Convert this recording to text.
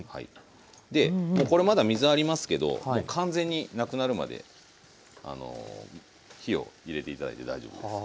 でこれまだ水ありますけどもう完全になくなるまで火を入れて頂いて大丈夫です。